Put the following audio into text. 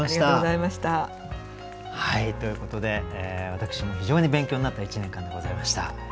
はいということで私も非常に勉強になった一年間でございました。